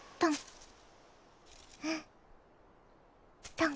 トン。